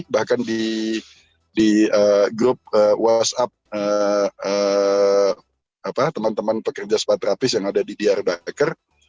bahkan di grup whatsapp teman teman pekerja sepatrapis yang ada di dyarbacker